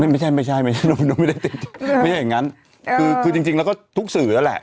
ไม่ใช่ไม่ใช่หนูไม่ได้ติดไม่ใช่อย่างงั้นคือคือจริงจริงแล้วก็ทุกสื่อแล้วแหละ